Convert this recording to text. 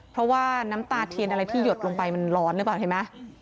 เพราะว่าน้ำตาเทียนอะไรที่หยดลงไปมันร้อนหรือเปล่าเห็นไหม